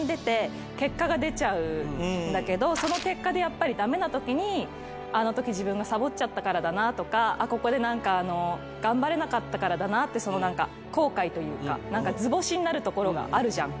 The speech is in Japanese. その結果でダメなときにあのとき自分がさぼっちゃったからだなとかここで頑張れなかったからだなって後悔というか図星になるところがあるじゃん。